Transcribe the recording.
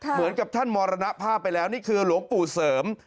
เหมือนกับท่านมรณภาพไปแล้วนี่คือหลวงปู่เสริม